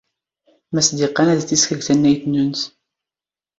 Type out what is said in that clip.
ⵎⴰ ⵙ ⴷ ⵉⵇⵇⴰⵏ ⴰⴷ ⵜ ⵉⵙⴽⵔ ⴳ ⵜⴰⵏⵏⴰⵢⵜ ⵏⵏⵓⵏⵜ?